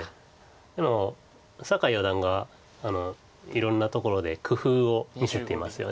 でも酒井四段がいろんなところで工夫を見せていますよね。